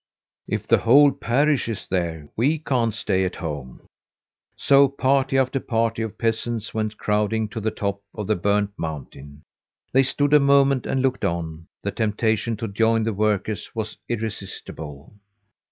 "If the whole parish is there, we can't stay at home!" So party after party of peasants went crowding to the top of the burnt mountain. They stood a moment and looked on. The temptation to join the workers was irresistible.